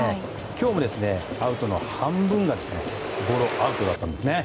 今日もアウトの半分がゴロアウトだったんですね。